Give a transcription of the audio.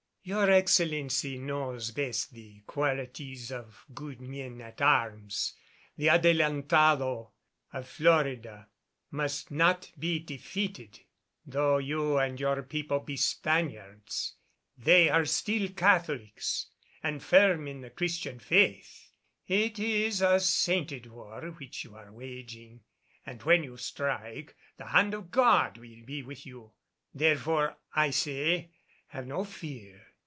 "Your Excellency knows best the qualities of good men at arms. The Adelantado of Florida must not be defeated. Though you and your people be Spaniards, they are still Catholics and firm in the Christian faith. It is a sainted war which you are waging and when you strike, the hand of God will be with you. Therefore, I say, have no fear.